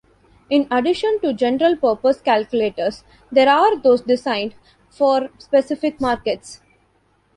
In addition to general purpose calculators, there are those designed for specific markets.